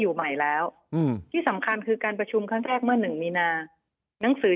อยู่ใหม่แล้วที่สำคัญคือการประชุมครั้งแรกเมื่อหนึ่งมีนาหนังสือ